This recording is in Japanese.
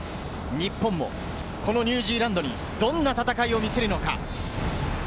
日本もニュージーランドにどんな戦いを見せるのか